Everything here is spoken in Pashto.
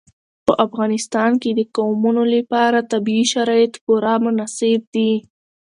په افغانستان کې د قومونه لپاره طبیعي شرایط پوره مناسب دي.